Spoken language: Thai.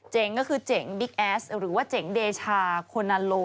ก็คือเจ๋งบิ๊กแอสหรือว่าเจ๋งเดชาโคนาโล